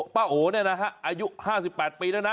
ป้าโอนี่นะครับอายุ๕๘ปีแล้วนะ